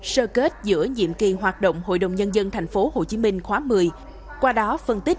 so với cuối phiên hôm qua